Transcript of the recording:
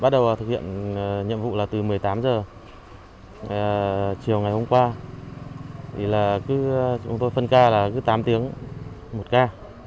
điện nhiệm vụ là từ một mươi tám giờ chiều ngày hôm qua thì là cứ chúng tôi phân ca là cứ tám tiếng một ca